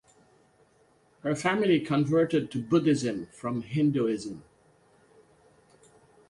Her family converted to Buddhism from Hinduism.